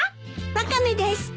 ワカメです。